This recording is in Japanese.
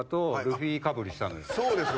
そうですよ。